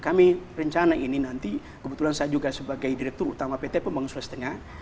kami rencana ini nanti kebetulan saya juga sebagai direktur utama pt pembangun sulawesi tengah